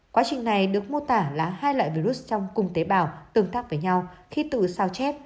quá trình này được mô tả là hai loại virus trong cung tế bào tương tác với nhau khi tự sao chép